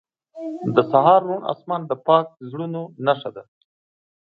• د سهار روڼ آسمان د پاک زړونو نښه ده.